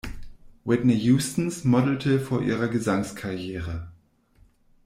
Whitney Houstons modelte vor ihrer Gesangskarriere.